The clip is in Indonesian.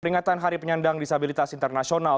peringatan hari penyandang disabilitas internasional